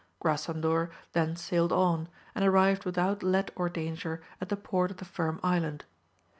Grasandor then sailed on, and arrived without let or danger at the port of the Finn Island.